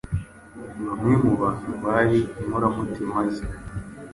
Bamwe mu bantu bari inkoramutima ze